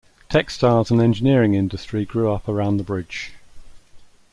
Textiles and engineering industry grew up around the bridge.